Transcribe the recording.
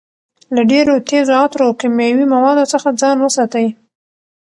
له ډېرو تېزو عطرو او کیمیاوي موادو څخه ځان وساتئ.